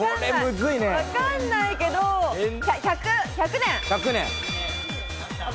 わかんないけれども１００年。